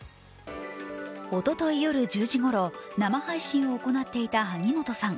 おととい夜１０時ごろ生配信を行っていた萩本さん。